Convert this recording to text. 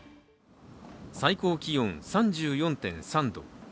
最高気温３４．３度。